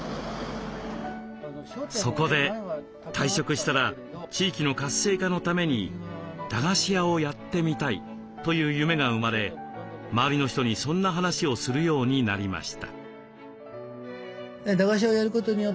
そこで「退職したら地域の活性化のために駄菓子屋をやってみたい」という夢が生まれ周りの人にそんな話をするようになりました。